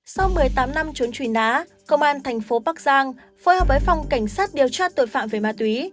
sau một mươi tám năm trốn truy nã công an thành phố bắc giang phối hợp với phòng cảnh sát điều tra tội phạm về ma túy